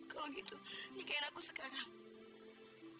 kalau gitu nikahin aku sekarang